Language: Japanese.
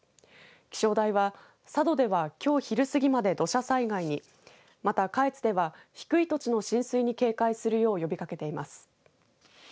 気象台は佐渡では、きょう昼過ぎまで土砂災害にまた、下越では低い土地の浸水に警戒するよう呼びかけています。